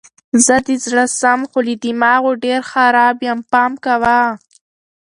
زه د زړه سم خو له دماغو ډېر خراب یم پام کوه!